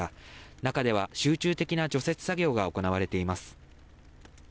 中では集中的な除雪作業が行われています。